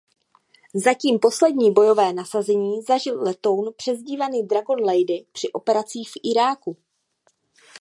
Zatím poslední bojové nasazení zažil letoun přezdívaný "Dragon Lady" při operacích v Iráku.